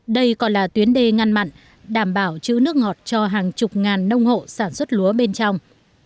đây còn là tuyến đê ngăn mặn đảm bảo chữ nước ngọt cho hàng chục ngàn nông hộ sản xuất lúa bên trong